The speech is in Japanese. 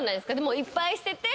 いっぱい捨てて。